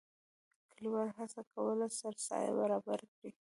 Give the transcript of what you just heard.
کلیوالو هڅه کوله سرسایه برابره کړي.